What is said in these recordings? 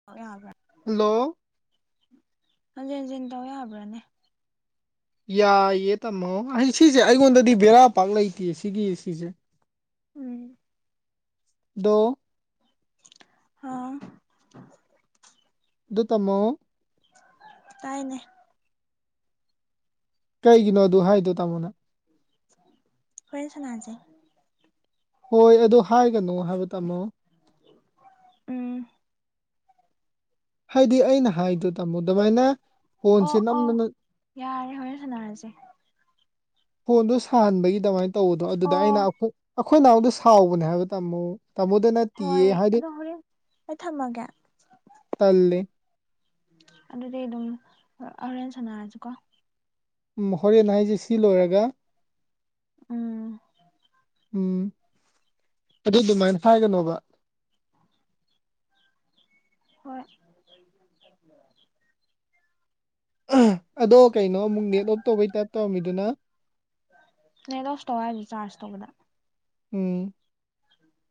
[inaudible] hello ꯍꯟꯖꯤꯟ ꯍꯟꯖꯤꯟ ꯇꯧ ꯌꯥꯕ꯭ꯔꯥꯅꯦ ꯌꯥꯏꯌꯦ ꯇꯥꯃꯣ ꯑꯩ ꯁꯤꯁꯦ ꯑꯩꯉꯣꯟꯗꯗꯤ ꯕꯦꯔꯥ ꯄꯥꯛ ꯂꯩꯇꯦ ꯁꯤꯒꯤ ꯁꯤꯁꯦ ꯎꯝ ꯗꯣ ꯑꯥ ꯗꫭ ꯇꯃꯣ ꯀꯥꯏꯅꯦ ꯀꯩꯒꯤꯅꯣ ꯑꯗꯨ ꯍꯥꯏꯗꯣ ꯇꯥꯃꯣꯅ ꯍꫭꯔꯦꯟ ꯁꯅꯥꯁꯦ ꯍꯣꯏ ꯑꯗꯨ ꯍꯥꯏꯒꯅꯨ ꯍꯥꯏꯕ ꯇꯥꯃꯣ ꯎꯝ ꯍꯥꯏꯗꯤ ꯑꯩꯅ ꯍꯥꯏꯗꯣ ꯇꯥꯃꯣ ꯑꯗꯨꯃꯥꯏꯅ ꯐꯣꯟꯁꯦ ꯑꯣ ꯑꯣ ꯅꯝꯗꯅ ꯌꯥꯔꯦ ꯍꯣꯔꯦꯟ ꯁꯥꯟꯅꯔꯁꯦ ꯐꯣꯟꯗꯣ ꯁꯥꯍꯟꯕꯒꯤ ꯑꯗꯨꯃꯥꯏꯅ ꯇꯧꯕꯗꯣ ꯑꯗꯨꯗ ꯑꯩꯅ ꯑꯣ ꯑꯩꯈꯣꯏ ꯑꯩꯈꯣꯏ ꯅꯥꯎꯗ ꯁꯥꯎꯕꯅꯦ ꯍꯥꯏꯕ ꯇꯥꯃꯣ ꯇꯥꯃꯣꯗ ꯅꯠꯇꯦꯌꯦ ꯍꯣꯏ ꯍꯥꯏꯗꯤ ꯑꯗꯣ ꯍꯣꯔꯦꯟ ꯑꯩ ꯊꯝꯃꯒꯦ ꯇꯜꯂꯦ ꯑꯗꯨꯗꯤ ꯑꯗꯨꯝ ꯍꯣꯔꯦꯟ ꯁꯅꯥꯔꯁꯤ ꯀꯣ ꯎꯝ ꯍꯣꯔꯦꯟ ꯍꯥꯏꯁꯦ ꯁꯤ ꯂꯣꯏꯔꯒ ꯎꯝ ꯎꯝ ꯑꯗꯨꯗꯤ ꯑꯗꯨꯃꯥꯏꯅ ꯍꯥꯏꯒꯅꯣꯕ ꯍꯣꯏ ꯑꯗꯣ ꯀꯩꯅꯣ ꯑꯃꯨꯛ ꯅꯦꯠ ꯑꯣꯞ ꯇꯧꯕꯩ ꯇꯥꯏꯞ ꯇꯧꯔꯝꯃꯤꯗꯨꯅ ꯅ ꯂꯣꯁ ꯇꯧ ꯍꯥꯏꯁ ꯆꯥꯔꯖ ꯇꯧꯕꯗ ꯎꯝ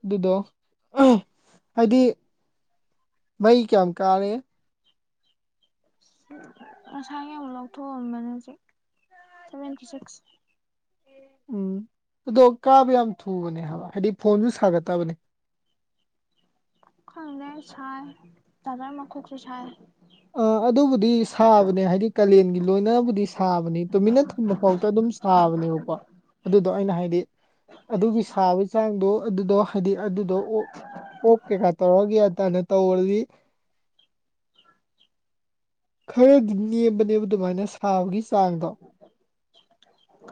ꯑꯗꯨꯗꯣ ꯍꯥꯏꯗꯤ ꯃꯩ ꯀꯌꯥꯝ ꯀꯥꯔꯦ ꯉꯁꯥꯒꯤ ꯑꯃꯨꯛ ꯂꯧꯊꯣꯛꯑꯝꯕꯅꯦ ꯍꯧꯖꯤꯛ ꯁꯚꯦꯟꯇꯤ ꯁꯤꯛꯁ ꯎꯝ ꯑꯗꯣ ꯀꯥꯕ ꯌꯥꯝ ꯊꯨꯕꯅꯦ ꯍꯥꯏꯕ ꯍꯥꯏꯗꯤ ꯐꯣꯟꯁꯨ ꯁꯥꯒꯠꯇꯕꯅꯦ ꯈꯪꯗꯦ ꯁꯥꯏ ꯆꯥꯖꯔꯃꯈꫭꯛꯁꯨ ꯁꯥꯏ ꯑ ꯑꯗꯨꯕꯨꯗꯤ ꯁꯥꯕꯅꯦ ꯍꯥꯏꯗꯤ ꯀꯥꯂꯦꯟꯒꯤ ꯂꯣꯏꯅꯕꯨꯗꯤ ꯁꯥꯕꯅꯤ ꯇꯨꯃꯤꯠꯟꯅ ꯊꯨꯡꯕ ꯐꯥꯎꯗ ꯑꯗꯨꯝ ꯁꯥꯕꯅꯦꯕꯀꯣ ꯑꯗꯨꯗꯣ ꯑꯩꯅ ꯍꯥꯏꯗꯤ ꯑꯗꯨꯒꯤ ꯁꯥꯕꯒꯤ ꯆꯥꯡꯗꯣ ꯑꯗꯨꯗꯣ ꯍꯥꯏꯗꯤ ꯑꯗꯨꯗꯣ ꯑꯣ ꯑꯣꯛ ꯀꯩꯀꯥ ꯇꯧꯔꯒꯦ ꯍꯥꯏꯇꯥꯅ ꯇꯧꯔꯗꯤ ꯈꯔꯗꯤ ꯅꯦꯝꯕꯅꯦꯕ ꯑꯗꯨꯃꯥꯏꯅ ꯁꯥꯕꯒꯤ ꯆꯥꯡꯗꯣ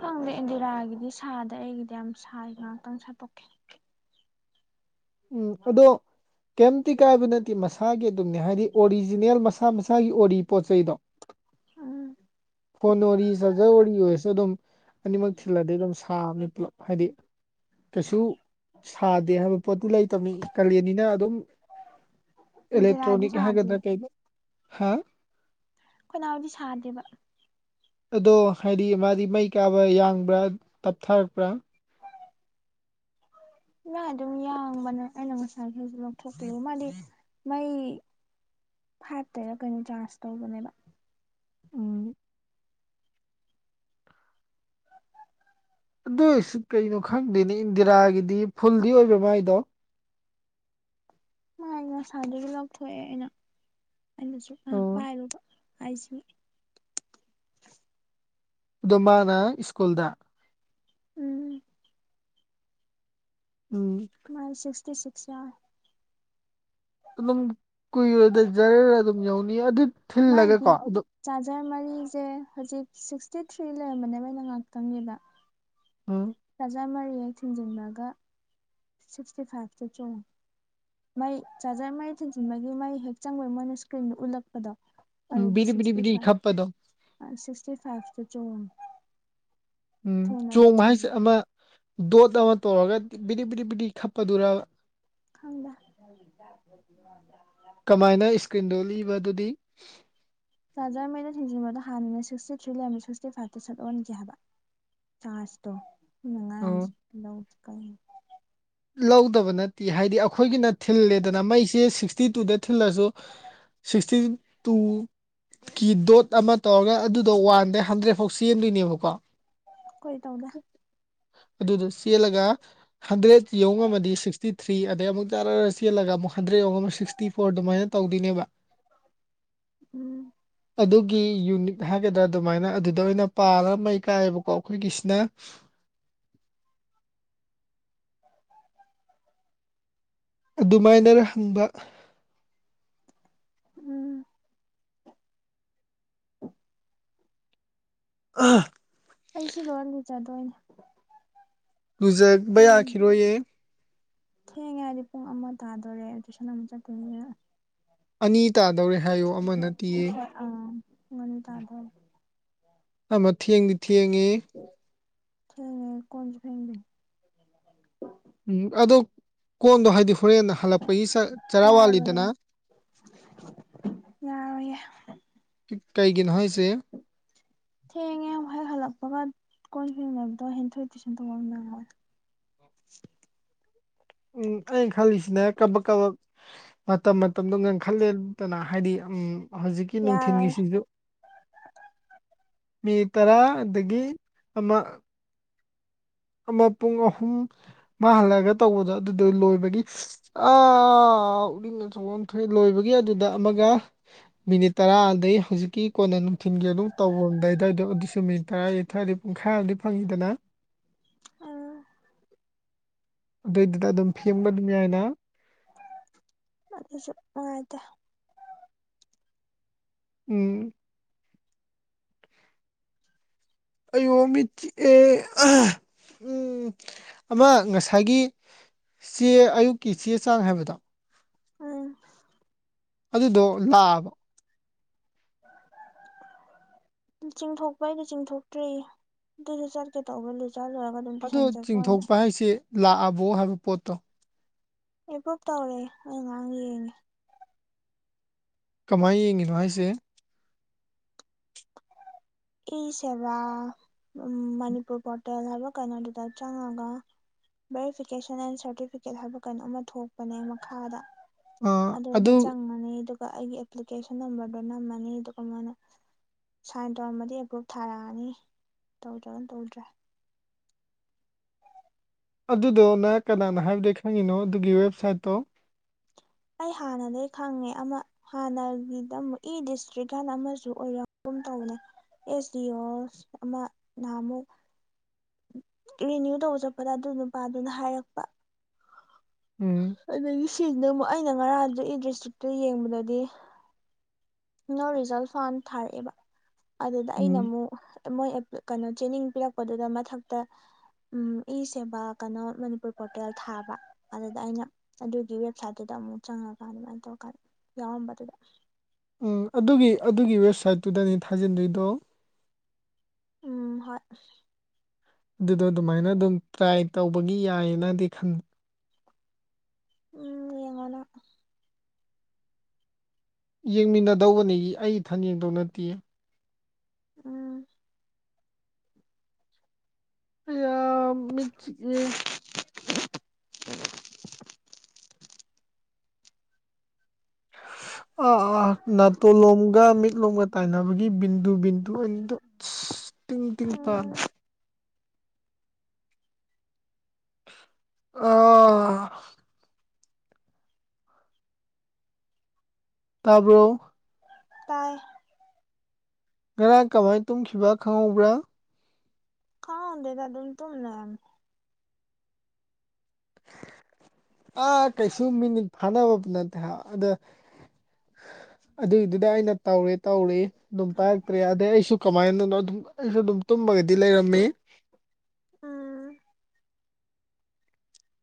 ꯈꯪꯗꯦ ꯏꯟꯗꯤꯔꯥꯒꯤꯗꯤ ꯁꯥꯗꯦ ꯑꯩꯒꯤꯗꯤ ꯌꯥꯝ ꯁꯥꯏ ꯉꯥꯏꯍꯥꯛꯇꯪ ꯁꯥꯠꯇꯣꯛꯀ ꯎꯝ ꯑꯗꯣ ꯀꯩꯝꯇ ꯀꯥꯏꯕ ꯅꯠꯇꯦ ꯃꯁꯥꯒꯤ ꯑꯗꯨꯝꯅꯦ ꯍꯥꯏꯗꯤ ꯑꯣꯔꯤꯖꯤꯅꯦꯜ ꯃꯁꯥ ꯃꯁꯥꯒꯤ ꯑꯣꯏꯔꯤ ꯄꯣꯠ ꯆꯩꯗꯣ [inaudible] [unintelligible] ꯎꯝ ꯐꯣꯟ ꯑꫭꯔꯤ ꯆꯥꯖꯔ ꯑꯣꯏꯔꯤ ꯑꯣꯏꯔꯁꯨ ꯑꯗꯨꯝ ꯑꯅꯤꯃꯛ ꯊꯤꯜꯂꯗꯤ ꯑꯗꯨꯝ ꯁꯥꯕꯅꯤ ꯄꯨꯂꯞ ꯍꯥꯏꯗꯤ ꯀꯩꯁꯨ ꯁꯥꯗꯦ ꯍꯥꯏꯕ ꯄꯣꯠꯇꯨ ꯂꯩꯇꯕꯃꯤ ꯀꯥꯂꯦꯟꯅꯤꯅ ꯑꯗꯨꯝ ꯏꯟꯗꯤꯔꯥꯗꯤ ꯏꯂꯦꯛꯛꯇ꯭ꯔꯣꯅꯤꯛ ꯁꯥꯗꯤꯌꯦ ꯍꯥꯏꯒꯗ꯭ꯔ ꯀꯩ ꯍꯥ ꯀꯅꯥꯎꯗꯤ ꯁꯥꯗꯦꯕ ꯑꯗꯣ ꯍꯥꯏꯗꯤ ꯃꯥꯗꯤ ꯃꯩ ꯀꯥꯕ ꯌꯥꯡꯕ꯭ꯔꯥ ꯇꯞꯊꯔꯛꯄ꯭ꯔꯥ ꯏꯥ ꯑꯗꯨꯝ ꯌꯥꯡꯕꯅꯦ ꯑꯩꯅ ꯉꯁꯥꯏꯈꯁꯨ ꯂꯧꯊꯣꯛꯄꯤꯔꯨꯕ ꯃꯥꯗꯤ ꯃꯩ ꯐꯥꯏꯞ ꯇꯩꯔ ꯀꯩꯅꫭ ꯌꯔꯥꯁ ꯊꯧꯒꯤꯕꯅꯦꯕ ꯎꯝ ꯑꯗꯨ ꯑꯣꯏꯁꯨ ꯀꯩꯅꯣ ꯈꯪꯗꯣꯏꯅꯦ ꯏꯟꯗꯤꯔꯥꯒꯤꯗꯤ ꯐꯨꯜꯗꯤ ꯑꯣꯏꯕ ꯃꯥꯏꯗꯣ ꯃꯥꯥꯏ ꯉꯁꯥꯏꯗꯨꯁꯨ ꯂꯧꯊꯣꯛꯑꯦ ꯑꯩꯅ ꯑꯩꯅꯁꯨ ꯉꯥꯏꯍꯥꯛ ꯑꯣ ꯄꯥꯏꯔꯨꯕ ꯑꯥꯏꯖꯤ ꯑꯗꯨ ꯃꯅ ꯁ꯭ꯀꯨꯜꯗ ꯎꯝ ꯎꯝ ꯃꯩ ꯁꯤꯛꯇꯤꯁꯤꯛ ꯌꯥꯎꯔꯤ ꯑꯗꯨꯝ ꯀꯨꯏꯔꯣꯏꯗ ꯖꯔꯔ ꯑꯗꯨꯝ ꯌꯥꯎꯅꯤ ꯑꯗꯨ ꯃꯥꯥꯏꯗꯤ ꯊꯤꯜꯂꯒꯀꯣ ꯑꯗꯨ ꯆꯥꯔꯖꯔ ꯃꯔꯤꯁꯦ ꯍꯧꯖꯤꯛ ꯁꯤꯛꯁꯇꯤ ꯊ꯭ꯔꯤ ꯂꯩꯔꯝꯕꯅꯦꯕꯩꯅ ꯉꯥꯏꯍꯥꯛꯇꯪꯒꯤꯕ ꯎꯝ ꯆꯥꯖꯔ ꯃꯔꯤꯖ ꯍꯦꯛ ꯊꯤꯟꯖꯤꯟꯂꯒ ꯁꯤꯛꯁꯇꯤ ꯐꯥꯏꯞꯇ ꯆꫭꯡꯉꯤ ꯃꯩ ꯆꯥꯔꯖꯔ ꯃꯩ ꯊꯤꯟꯖꯤꯟꯕꯒꯤ ꯃꯩ ꯍꯦꯛ ꯆꯪꯕꯒꯤ ꯃꯣꯏꯅ ꯏꯁꯀ꯭ꯔꯤꯟꯗꯨ ꯎꯠꯂꯛꯄꯗꯣ ꯑꯗꯨꯗ ꯕꯤꯔꯤ ꯕꯤꯔꯤ ꯁꯤꯛꯁꯇꯤ ꯕꯤꯔꯤ ꯐꯥꯏꯞ ꯈꯞꯄꯗꯣ ꯁꯤꯛꯁꯇꯤ ꯐꯥꯏꯞꯇ ꯆꯣꯡꯉꯤ ꯎꯝ ꯆꯣꯡꯕ ꯍꯥꯏꯁꯦ ꯑꯃ ꯗꯣꯠ ꯑꯃ ꯇꯧꯔꯒ ꯕꯤꯗꯤ ꯕꯤꯗꯤ ꯕꯤꯗꯤ ꯈꯞꯄꯗꯨꯔ ꯈꯪꯗꯦ ꯀꯃꯥꯏꯅ ꯏꯁ ꯀ꯭ꯔꯤꯟꯗꯣ ꯂꯤꯕ ꯑꯗꯨꯗꯤ ꯆꯥꯔꯖꯔꯃꯩꯗ ꯊꯤꯡꯖꯤꯟꯕꯗꯣ ꯍꯥꯟꯅ ꯁꯤꯛꯁꯇꯤ ꯊ꯭ꯔꯤ ꯂꯩꯔꯝ ꯁꯤꯛꯁꯇꯤ ꯐꯥꯏꯚꯇ ꯁꯠ ꯑꯣꯟꯒꯤ ꯍꯥꯏꯕ ꯆꯥꯔꯁ ꯇꯣ ꯃꯤꯅ ꯑꯣ ꯉꯥꯡꯏꯁꯦ ꯂꯧꯗꯦ ꯀꯩꯅꯣ ꯂꯧꯗꯕ ꯅꯠꯇꯦ ꯍꯥꯏꯗꯤ ꯑꯩꯈꯣꯏꯒꯤꯅ ꯊꯤꯜꯂꯦꯗꯅ ꯃꯩꯁꯦ ꯁꯤꯛꯁꯇꯤ ꯇꯨꯗ ꯊꯤꯜꯂꯁꯨ ꯁꯤꯛꯁꯇꯤ ꯇꯨ ꯀꯤ ꯗꯣꯠ ꯑꯃ ꯇꯧꯔꯒ ꯑꯗꯨꯗꯣ ꯋꯥꯟꯗꯩ ꯍꯟꯗ꯭ꯔꯦꯗ ꯐꯥꯎ ꯆꯦꯟꯗꯣꯏꯅꯦꯕꯀꯣ ꯀꯣꯏ ꯇꯧꯗꯦ ꯑꯗꯨꯗ‌ꯣ ꯆꯦꯜꯂꯒ ꯍꯟꯗ꯭ꯔꯦꯠ ꯁꯤ ꯌꯧ ꯉꯝꯃꯗꯤ ꯁꯤꯛꯁꯇꯤ ꯊ꯭ꯔꯤ ꯑꯗꯩ ꯑꯃꯨꯛ ꯖꯔꯔ ꯆꯦꯜꯂꯒ ꯑꯃꯨꯛ ꯍꯟꯗ꯭ꯔꯦꯗ ꯌꯧ ꯉꯝꯃ ꯁꯤꯛꯁꯇꯤ ꯐꯣꯔ ꯑꯗꯨꯃꯥꯏꯅ ꯇꯧꯗꯣꯏꯅꯦꯕ [inaudible] ꯎꯝ ꯑꯗꯨꯒꯤ ꯌꯨꯅꯤꯠ ꯍꯥꯏꯒꯗ꯭ꯔꯥ ꯑꯗꯨꯃꯥꯏꯅ ꯑꯗꯨꯗ ꯑꯣꯏꯅ ꯄꯥꯜꯂꯒ ꯃꯩ ꯀꯥꯏꯌꯦꯕꯀꯣ ꯑꯩꯈꯣꯏꯒꯤꯁꯤꯅ [unintelligible] ꯑꯗꯨꯃꯥꯏꯅꯔ ꯍꯪꯕ ꯎꯝ ꯑ ꯑꯩꯁꯨ ꯂꯣꯏꯅ ꯂꯨꯖꯗꯣꯏꯅꯦ ꯂꯨꯖꯕ ꯊꯦꯡ ꯌꯥꯈꯤꯔꯣꯏꯌꯦ ꯊꯦꯡꯉꯦ ꯍꯥꯏꯗꯤ ꯄꯨꯡ ꯑꯃ ꯇꯥꯗꯣꯔꯦ ꯇꯨꯏꯁꯟ ꯑꯃꯨꯛ ꯆꯠꯇꯣꯏꯅ‌ꯦ ꯑꯅꯤ ꯇꯥꯗꯧꯔꯦ ꯍꯥꯏꯌꯣ ꯑꯃ ꯅꯠꯇꯤꯌꯦ ꯑ ꯄꯨꯡ ꯑꯅꯤ ꯇꯥꯗꯣꯔꯦ ꯑꯃ ꯊꯦꯡꯗꯤ ꯊꯦꯡꯉꯤ ꯊꯦꯡꯉꯦ ꯀꯣꯟꯖꯨ ꯐꯦꯡꯗꯣꯏꯅꯤ ꯎꯝ ꯑꯗꯣ ꯀꯣꯟꯗꯣ ꯍꯥꯏꯗꯤ ꯍꯣꯔꯦꯟ ꯍꯜꯂꯛꯄꯒꯤ ꯆꯥꯛ ꯌꯥꯔꯣꯏ ꯌꯦ ꯌꯥꯔꯣꯏ ꯌꯦ ꯀꯤ ꯀꯩꯒꯤꯅꯣ ꯍꯥꯏꯁ‌ꯦ ꯊꯦꯡꯉꯦ ꯑꯃꯨꯛ ꯍꯦꯛ ꯍꯜꯂꯛꯄꯒ ꯀꯣꯟ ꯐ‌ꯦꯡꯅꯕꯗꯣ ꯍꯦꯟꯊꯣꯏ ꯇꯨꯏꯁꯟ ꯇꯧꯕ ꯅꯪꯉ‌ꯣꯏ ꯎꯝ ꯑꯩꯅ ꯈꯜꯂꯤꯁꯤꯅ ꯀꯕꯛ ꯀꯕꯛ ꯃꯇꯝ ꯃꯇꯝꯗꯣ ꯉꯟꯈꯠꯂꯦꯗꯅ ꯍꯥꯏꯗꯤ ꯎꯝ ꯍꯧꯖꯤꯛꯀꯤ ꯌꯥꯔꯣꯏꯌꯦ ꯅꯨꯡꯊꯤꯜꯒꯤꯁꯤꯖꯨ ꯃꯤꯅꯤ ꯇꯔꯥ ꯗꯒꯤ ꯑꯃ ꯑꯃ ꯄꯨꯡ ꯑꯍꯨꯝ ꯃꯥ ꯍꯜꯂꯛꯑꯒ ꯇꯧꯕꯗꯣ ꯑꯗꯨꯗꯣ ꯂꯣꯏꯕꯒꯤ [unintelligible] ꯑꯥ ꯎꯔꯤꯡ ꯑꯆꯧꯕ ꯑꯃ ꯊꯣꯛꯑꯦ ꯂꯣꯏꯕꯒꯤ ꯑꯗꯨꯗ ꯑꯃꯒ ꯃꯤꯅꯤꯠ ꯇꯔꯥ ꯑꯗꯩ ꯍꯧꯖꯤꯛꯀꯤ ꯀꯣꯟꯅ ꯅꯨꯡꯊꯤꯟꯒꯤ ꯑꯗꯨꯝ ꯇꯧꯔꯝꯗꯥꯏ ꯑꯗꯥꯏꯗꯣ ꯑꯗꯨꯁꯨ ꯃꯤꯅꯤꯠ ꯇꯔꯥ ꯑꯊꯥꯏꯗꯤ ꯄꯨꯡꯈꯥꯏ ꯑꯃꯗꯤ ꯐꯪꯉꯤꯗꯅ ꯑꯥ ꯑꯗꯨꯏꯗꯨꯗ ꯑꯗꯨꯝ ꯐꯦꯡꯕ ꯑꯗꯨꯝ ꯌꯥꯏꯅ ꯑꯗꯨꯁꯨ ꯋꯥꯏꯗ ꯎꯝ ꯑꯩꯌꯨ ꯃꯤꯠ ꯆꯤꯛꯑꯦ ꯑ ꯎꯝ ꯑꯃ ꯉꯁꯥꯏꯒꯤ ꯆꯦ ꯑꯌꯨꯛꯀꯤ ꯆꯦ ꯆꯥꯡ ꯍꯥꯏꯕꯗꯣ ꯎꯝ ꯑꯗꯨꯗꯣ ꯂꯥꯛꯑꯕꯣ [inaudible] ꯆꯤꯡꯊꯣꯛꯄꯩꯗꯤ ꯆꯤꯡꯊꯣꯛꯇ꯭ꯔꯤ ꯑꯗꯨꯗ‌ꯣ ꯆꯠꯀꯦ ꯇꯧꯕꯅ ꯂꯤꯆꯥꯠ ꯂꯣꯏꯔꯒ ꯑꯗꯨꯝ ꯑꯗꯣ ꯇꯨꯏꯁꯟ ꯆꯠꯄ ꯑꯣꯏꯅ ꯆꯤꯡꯊꯣꯛꯄ ꯍꯥꯏꯁꯤ ꯂꯥꯛꯑꯕꯣ ꯍꯥꯏꯕ ꯄꯣꯠꯇꯣ ꯑꯦꯄ꯭ꯔꯨꯚ ꯇꯧꯔꯦ ꯑꯩ ꯉꯔꯥꯡ ꯌꯦꯡꯉꯦ ꯀꯃꯥꯏ ꯌꯦꯡꯉꯤꯅꯣ ꯍꯥꯏꯁꯦ ꯏ ꯁꯦꯕꯥ ꯃꯅꯤꯄꯨꯔ ꯄꯣꯔꯇꯦꯜ ꯍꯥꯏꯕꯔ ꯀꯩꯅꯣꯗꯨꯗ ꯆꯪꯉꯒ ꯚꯦꯔꯤꯐꯤꯀꯦꯁꯟ ꯑꯦꯟ ꯁꯥꯔꯇꯤꯐꯤꯀꯦꯠ ꯍꯥꯏꯕ ꯀꯩꯅꯣ ꯑꯃ ꯊꯣꯛꯄꯅꯦ ꯃꯈꯥꯗ ꯑꯥ ꯑꯗꯨꯗ ꯑꯗꯨ ꯆꯪꯉ ꯅꯤ ꯑꯗꯨꯒ ꯑꯩꯒꯤ ꯑꯦꯄ꯭ꯂꯤꯀꯦꯁꯟ ꯅꯝꯕꯔꯗ ꯅꯝꯃꯅꯤ ꯗꯨꯒ ꯃꯅꯥ ꯁꯥꯏꯟ ꯇꯧꯔꯝꯃ ꯅꯤ ꯑꯦꯄ꯭ꯔꯨꯞ ꯊꯥꯔꯛꯑꯅꯤ ꯇꯧꯗ꯭ꯔꯒꯅ ꯇꯧꯗ꯭ꯔꯦ ꯑꯗꯨꯗꯣ ꯅ ꯀꯅꯥꯅ ꯍꯥꯏꯕꯗ ꯈꯪꯉꯤꯅꯣ ꯑꯗꯨꯒꯤ ꯋꯦꯕꯁꯥꯏꯠꯇꯣ ꯑꯩ ꯍꯥꯟꯅꯗꯒꯤ ꯈꯪꯉꯦ ꯑꯃ ꯍꯥꯟꯅꯒꯤꯗꯛ ꯏ ꯗꯤꯁꯇ꯭ꯔꯤꯛꯀꯥꯟꯅ ꯑꯃꯁꯨ ꯑꯣꯏꯔꯒꯨꯝ ꯇꯧꯅꯦ ꯑꯦꯁ ꯗꯤ ꯑꯣ ꯑꯃ ꯅꯍꯃꯨ ꯔꯤꯅ꯭ꯌꯨ ꯇꯧꯕ ꯆꯠꯄꯗ ꯑꯗꯨ ꯅꯨꯄꯥꯗꯨꯅ ꯍꯥꯏꯔꯛꯄ ꯎꯝ ꯑꯗꯒꯤ ꯁꯤꯖꯤꯅ ꯑꯃꯨꯛ ꯑꯩꯅ ꯉꯔꯥꯡ ꯑꯗꯨ ꯏ ꯗꯤꯁꯇ꯭ꯔꯤꯛꯇꯨ ꯌꯦꯡꯕꯗꯗꯤ ꯅꯣ ꯔꯤꯖꯜ ꯐꯥꯎꯟ ꯊꯥꯔꯛꯏꯕ ꯑꯗꯨꯗ ꯑꯩꯅ ꯎꯝ ꯑꯃꯨꯛ ꯃꯣꯏ ꯑꯦꯞ ꯀꯩꯅꯣ ꯆꯦꯅꯤꯡ ꯄꯤꯔꯛꯄꯗꯨꯗ ꯃꯊꯛꯇ ꯎꯝ ꯏꯁꯦꯕ ꯀꯩꯅꯣ ꯃꯅꯤꯄꯨꯔ ꯄꯣꯔꯇꯦꯜ ꯊꯥꯕ ꯑꯗꯨꯗ ꯑꯩꯅ ꯑꯗꯨꯒꯤ ꯋꯦꯕꯁꯥꯏꯠꯇꯨꯗ ꯑꯃꯨꯛ ꯆꯪꯉꯒ ꯑꯗꯨꯃꯥꯏꯅ ꯇꯧꯔꯀꯥꯟꯗ ꯌꯥꯎꯔꯝꯕꯗꯨꯗ ꯎꯝ ꯑꯗꯨꯒꯤ ꯑꯗꯨꯒꯤ ꯋꯦꯕꯁꯥꯏꯠꯇꯨꯗꯅꯤ ꯊꯥꯖꯤꯟꯗꯣꯏꯗꯣ ꯎꯝ ꯍꯣꯏ ꯑꯗꯨꯗꯣ ꯑꯗꯨꯃꯥꯏꯅ ꯑꯗꯨꯝ ꯇ꯭ꯔꯥꯏ ꯇꯧꯕꯒꯤ ꯌꯥꯏꯌꯦꯅꯗꯤ ꯈꯟꯕ ꯎꯝ ꯌꯦꯡꯉꯣꯅ ꯌꯦꯡꯃꯤꯟꯅꯗꯧꯕꯅꯤ ꯑꯩ ꯏꯊꯟ ꯌꯦꯡꯗꯧ ꯅꯠꯇꯤꯌꯦ ꯎꯝ ꯑ ꯃꯤꯆ [unintelligible] ꯑꯥ ꯑꯥ ꯅꯥꯇꯣꯟ ꯂꯣꯝꯒ ꯃꯤꯠꯂꯣꯝꯒ ꯇꯥꯏꯅꯕꯒꯤ ꯒꯤ ꯕꯤꯟꯗꯨ ꯕꯤꯟꯗꯨ ꯑꯩꯅꯗꯁ ꯇꯤꯡ ꯇꯤꯡ ꯎꯝ ꯄꯥꯜꯂꯤ ꯑꯥ ꯇꯥꯕ꯭ꯔꯣ ꯇꯥꯏ ꯉꯔꯥꯡ ꯀꯃꯥꯏ ꯇꯨꯝꯈꯤꯕ ꯈꯪꯍꯧꯕ꯭ꯔꯥ ꯈꯪꯍꯧꯗꯦꯗ ꯑꯗꯨꯝ ꯇꯨꯝ ꯂꯩꯔꯝꯃꯦ ꯑꯥ ꯀꯩꯁꯨ ꯃꯤꯅꯤꯠ ꯐꯥꯅꯕ ꯅꯠꯇꯦ ꯑꯗ ꯑꯗꯨꯏꯗꯨꯗ ꯑꯩꯅ ꯇꯧꯔꯤ ꯇꯧꯔꯤ ꯑꯗꯨꯝ ꯄꯥꯏꯔꯛꯇ꯭ꯔꯦ ꯑꯗꯩ ꯑꯩꯁꯨ ꯀꯃꯥꯏꯅꯗꯅꯣ ꯑꯗꯨꯝ ꯑꯩꯁꯨ ꯑꯗꯨꯝ ꯇꯨꯝꯃꯒꯗꯤ ꯂꯩꯔꯝꯃꯤ ꯎꯝ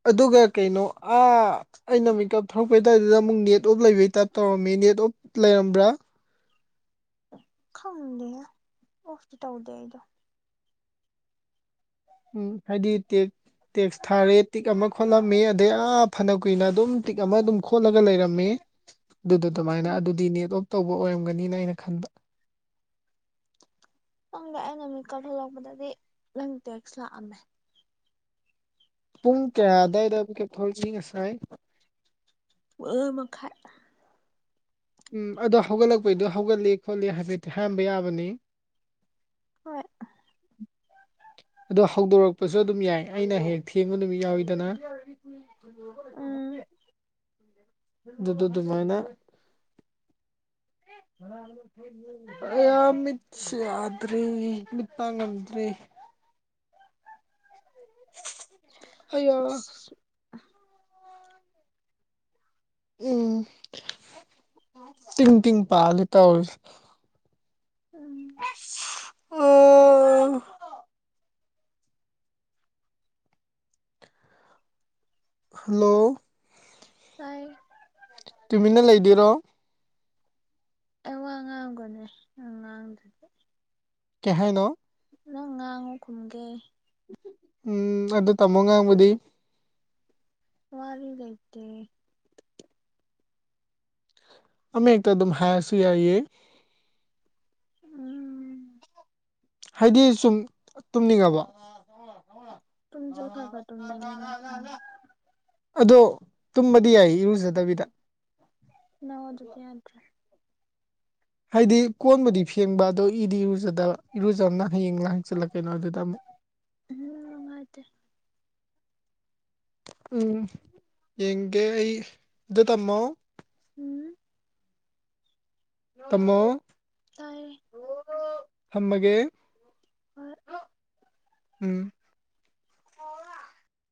ꯑꯗꯨꯒ ꯀꯩꯅꯣ ꯑ ꯑꯩꯅ ꯃꯤꯀꯞ ꯊꯧꯔꯛꯄꯩꯇꯥꯏꯗꯨꯗ ꯑꯃꯨꯛ ꯅꯦꯠ ꯅꯦꯠ ꯑꯣꯞ ꯂꯩꯕꯩ ꯇꯥꯏꯞ ꯇꯧꯔꯝꯃꯤ ꯅꯦꯠ ꯑꯣꯞ ꯂꯩꯔꯝꯕ꯭ꯔꯥ ꯈꯪꯗꯦꯗ ꯑꯣꯐꯇꯤ ꯇꯧꯗꯦ ꯑꯩꯗꯣ ꯎꯝ ꯍꯥꯏꯗꯤ ꯇꯦꯛ ꯇꯦꯛꯁ ꯊꯥꯔꯦ ꯇꯤꯛ ꯑꯃ ꯈꯣꯠꯂꯝꯃꯤ ꯑꯗꯩ ꯑꯥ ꯐꯅ ꯀꯨꯏꯅ ꯑꯗꯨꯝ ꯇꯤꯛ ꯑꯃ ꯑꯗꯨꯝ ꯈꯣꯠꯂꯒ ꯂꯩꯔꯝꯃꯦ ꯑꯗꯨꯗ ꯑꯗꯨꯃꯥꯏꯅ ꯎꯝ ꯑꯗꯨꯗꯤ ꯅꯦꯠ ꯑꯣꯐ ꯇꯧꯕ ꯑꯣꯏꯔꯝꯒꯅꯤꯅ ꯑꯩꯅ ꯈꯟꯕ ꯈꯪꯗꯦ ꯑꯩꯅ ꯃꯤꯠ ꯀꯥꯊꯂꯛꯄꯗꯗꯤ ꯅꯪ ꯇꯦꯛꯁ ꯂꯥꯛꯑꯝꯃꯦ ꯄꯨꯡ ꯀꯌꯥ ꯑꯋꯥꯏꯗ ꯃꯤꯀꯞ ꯊꯣꯛꯂꯛꯏ ꯉꯁꯥꯏ ꯃꯉꯥ ꯃꯈꯥꯏ ꯎꯝ ꯑꯗꯣ ꯍꯧꯒꯠꯂꯛꯄꯩꯗꯣ ꯍꯧꯒꯠꯂꯤ ꯈꯣꯠꯂꯤ ꯍꯥꯏꯐꯦꯠꯇꯤ ꯍꯥꯏꯔꯝꯕ ꯌꯥꯕꯅꯤ ꯍꯣꯏ ꯑꯗꯣ ꯍꯧꯗꯣꯔꯛꯄꯁꯨ ꯑꯗꯨꯝ ꯌꯥꯏ ꯑꯩꯅ ꯍꯦꯛ ꯊꯦꯡꯕ ꯅꯨꯃꯤꯠ ꯌꯥꯎꯋꯤꯗꯅ ꯎꯝ ꯑꯗꯨꯗ ꯑꯗꯨꯃꯥꯏꯅꯥ ꯍ ꯑ ꯃꯤꯠ ꯌꯥꯗꯔꯦꯅꯦ ꯃꯤꯠ ꯄꯥꯡ ꯉꯝꯗ꯭ꯔꯦ ꯑꯌꯥ ꯎꯝ ꯇꯤꯡ ꯇꯤꯡ ꯄꯥꯜꯂꯦ ꯇꯩꯔꯤꯁꯦ ꯎꯝ ꯑꯣ ꯍꯜꯂꯣ ꯇꯥꯏ ꯇꯨꯃꯤꯟꯅ ꯂꯩꯗꯣꯏꯔꯣ ꯑꯩ ꯋꯥ ꯉꯥꯡꯒꯅꯦ ꯉꯥꯡꯗꯗꯤ ꯀꯍꯥꯏꯅꯣ ꯅꯪ ꯉꯥꯡꯉꯨ ꯈꯨꯝꯒꯦ ꯎꯝ ꯑꯗꯨ ꯇꯝꯃꯣ ꯉꯥꯡꯕꯗꯤ ꯋꯥꯔꯤ ꯂꯩꯇꯦ ꯑꯃꯛꯇ ꯑꯗꯨꯝ ꯍꯥꯏꯁꯨ ꯌꯥꯏꯌꯦ ꯎꯝ ꯍꯥꯏꯗꯤ ꯁꯨꯝ ꯇꯨꯝꯅꯤꯡꯉꯕꫭ [inaudible] ꯑꯗꯣ ꯇꯨꯝꯕꯗꯤ ꯌꯥꯏ ꯏꯔꯨꯖꯗꯕꯤꯗ ꯅ ꯑꯗꯨꯗꯤ ꯌꯥꯗ꯭ꯔꯦ ꯍꯥꯏꯗꯤ ꯀꯣꯟꯕꯨꯗꯤ ꯐꯦꯡꯕ ꯑꯗꯣ ꯏꯗꯤ ꯏꯔꯨꯖꯗꯕ ꯏꯔꯨꯖꯕꯅ ꯍꯌꯦꯡꯂ ꯍꯪꯆꯜꯂꯛꯀ ꯀꯩꯅꯣ ꯑꯗꯨꯗ ꯑꯃꯨꯛ ꯎꯝ ꯅꯨꯡꯉꯥꯏꯗꯦ ꯎꯝ ꯌꯦꯡꯒꯦ ꯑꯩ ꯑꯗꯨ ꯇꯝꯃꯣ ꯎꯝ ꯇꯃꯣ ꯇꯔꯦ ꯊꯃꯒꯦ ꯍꯣꯏ ꯎꯝ